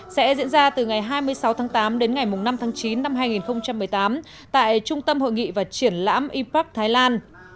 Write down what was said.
sẽ diễn ra từ ngày hai mươi sáu tháng tám đến ngày năm tháng chín năm hai nghìn một mươi tám tại trung tâm hội nghị và triển lãm ipak thái lan